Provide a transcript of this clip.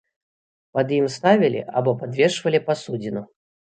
Пад ім ставілі або падвешвалі пасудзіну.